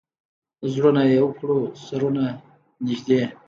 زړونه یو کړو، سرونه نژدې